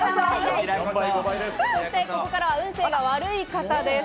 ここからは運勢が悪い方です。